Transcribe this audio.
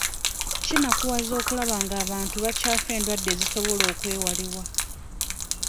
Kinakuwaza okulaba nga abantu bakyafa endwadde ezisobola okwewalibwa.